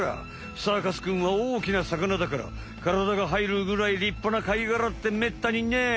サーカスくんは大きなさかなだからからだがはいるぐらいりっぱな貝がらってめったにない。